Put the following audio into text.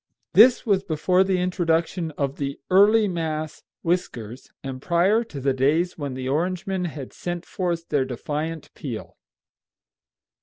This was before the introduction of the "early mass" whiskers, and prior to the days when the Orangemen had sent forth their defiant peal.